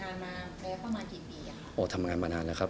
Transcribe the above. ทำงานแล้วและประมาณกี่ปีอ๋อถ้ามงานมานานแล้วครับ